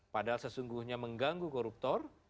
padahal sesungguhnya mengganggu koruptor